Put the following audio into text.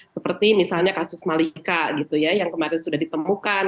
seperti misalnya kasus malika yang kemarin sudah ditemukan